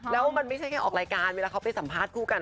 แล้วมันไม่ใช่แค่ออกรายการเวลาเขาไปสัมภาษณ์คู่กัน